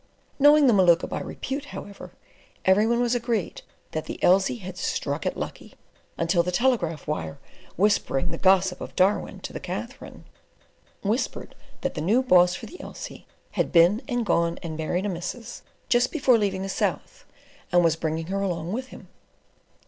Knowing the Maluka by repute, however, every one was agreed that the "Elsey had struck it lucky," until the telegraph wire, whispering the gossip of Darwin to the Katherine, whispered that the "new Boss for the Elsey had been and gone and married a missus just before leaving the South, and was bringing her along with him."